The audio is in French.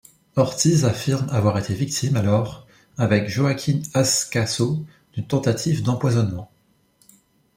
Ortiz affirme avoir été victime alors, avec Joaquín Ascaso, d'une tentative d'empoisonnement.